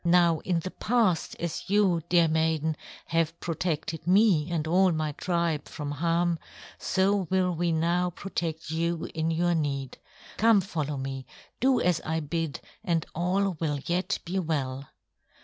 Now in the past, as you, dear maiden, have protected me and all my tribe from harm, so will we now protect you in your need. Come, follow me; do as I bid, and all will yet be well."